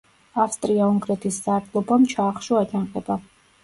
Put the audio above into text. ავსტრია-უნგრეთის სარდლობამ ჩაახშო აჯანყება.